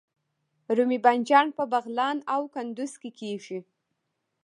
رومي بانجان په بغلان او کندز کې کیږي